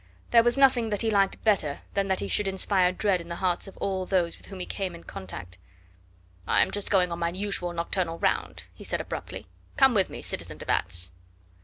There was nothing that he liked better than that he should inspire dread in the hearts of all those with whom he came in contact. "I am just going on my usual nocturnal round," he said abruptly. "Come with me, citizen de Batz."